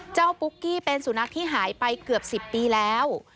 ปุ๊กกี้เป็นสุนัขที่หายไปเกือบ๑๐ปีแล้ว